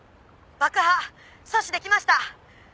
爆破阻止できました！